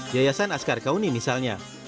yayasan askar kauni misalnya